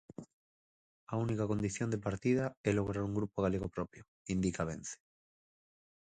A "única condición" de partida é "lograr un grupo galego propio", indica Vence.